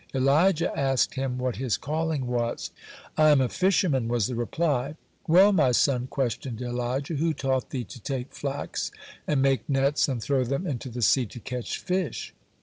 Elijah asked him what his calling was. "I am a fisherman," was the reply. "Well, my son," questioned Elijah, "who taught thee to take flax and make nets and throw them into the sea to catch fish?"